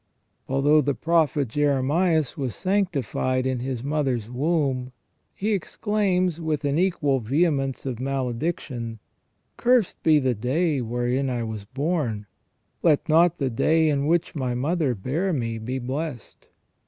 Although the prophet Jeremias was sanctified in his mother's womb, he exclaims, with an equal vehemence of malediction :" Cursed be the day wherein I was born 3 let not the day in which my mother bare me be blessed.